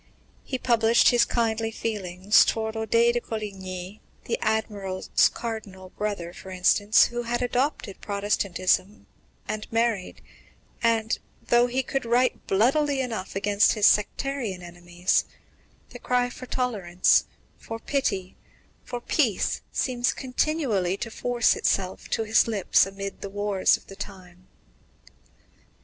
He published his kindly feelings towards Odet de Coligny, the Admiral's cardinal brother, for instance, who had adopted Protestantism and married, and, though he could write bloodily enough against his sectarian enemies, the cry for tolerance, for pity, for peace, seems continually to force itself to his lips amid the wars of the time.